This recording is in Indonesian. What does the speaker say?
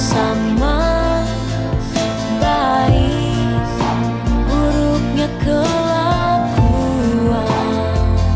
sama baik buruknya kelakuan